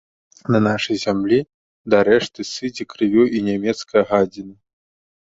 На нашай зямлі да рэшты сыдзе крывёй і нямецкая гадзіна.